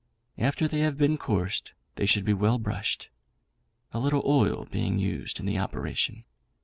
After they have been coursed they should be well brushed, a little oil being used in the operation.